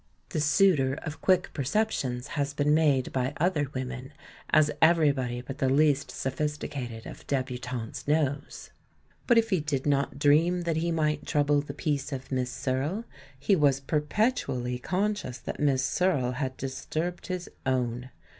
The suitor of quick perceptions has been made by other women, as everybody but the least sophisticated of debutantes knows. But if he did not dream that he might trouble the peace of JNIiss Searle, he was perpetually con scious that ]Miss Searle had disturbed his own.